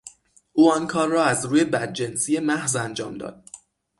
او آن کار را از روی بدجنسی محض انجام داد.